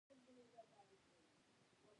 دا نظام باید پنځه قاعدې تامین کړي.